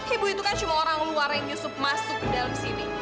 ibu itu kan cuma orang luar yang nyusup masuk ke dalam sini